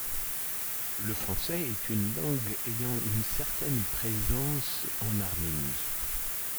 Le français est une langue ayant une certaine présence en Arménie.